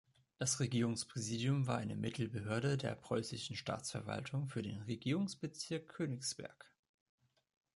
Das Regierungspräsidium war eine Mittelbehörde der preußischen Staatsverwaltung für den Regierungsbezirk Königsberg.